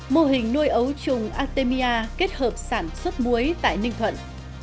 mô hình nuôi ấu trùng artemia kết hợp sản xuất muối tại ninh thuận